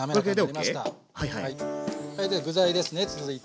はいでは具材ですね続いて。